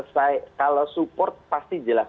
saya kalau support pasti jelas